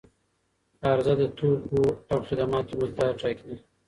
عرضه د توکو او خدماتو مقدار ټاکي.